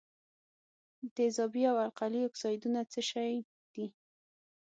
تیزابي او القلي اکسایدونه څه شی دي؟